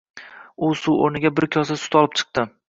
U suv oʻrniga bir kosa sut olib chiqdi